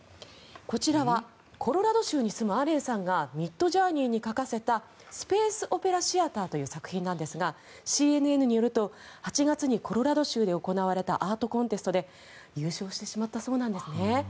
こちらはコロラド州に住むアレンさんがミッドジャーニーに描かせた「スペースオペラシアター」という作品なんですがＣＮＮによると８月にコロラド州で行われたアートコンテストで優勝してしまったそうなんですね。